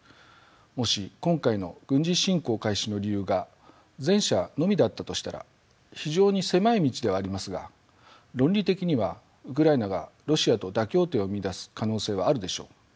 もし今回の軍事侵攻開始の理由が前者のみだったとしたら非常に狭い道ではありますが論理的にはウクライナがロシアと妥協点を見いだす可能性はあるでしょう。